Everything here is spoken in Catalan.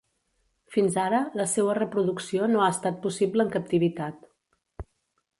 Fins ara, la seua reproducció no ha estat possible en captivitat.